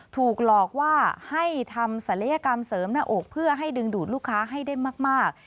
ถูกหลอกว่าให้ทำศัลยกรรมเสริมหน้าอกเพื่อให้ดึงดูดลูกค้าให้ได้มาก